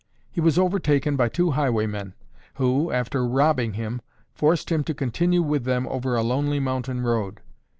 He was overtaken by two highwaymen, who, after robbing him, forced him to continue with them over a lonely mountain road.